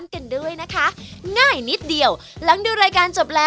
ขอบคุณค่ะ